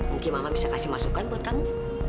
mungkin mama bisa kasih masukan buat kamu